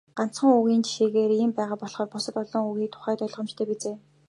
Ганцхан үгийн жишээгээр ийм байгаа болохоор бусад олон үгийн тухайд ойлгомжтой биз ээ.